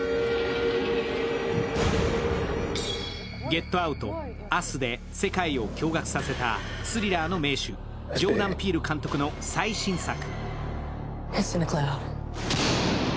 「ゲット・アウト」、「アス」で世界を震撼させたスリラーの名手、ジョーダン・ピール監督の最新作。